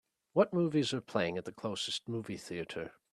What movies are playing at the closest movie theatre